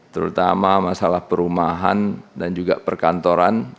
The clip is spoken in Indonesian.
terutama masalah perumahan dan juga perkantoran